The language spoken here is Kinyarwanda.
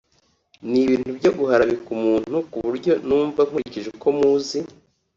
ni ibintu byo guharabika umuntu ku buryo numva nkurikije uko muzi